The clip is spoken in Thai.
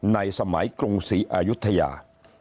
ในสมัยกรุงศรีอายุทยา